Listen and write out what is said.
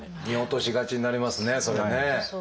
見落としがちになりますねそれね。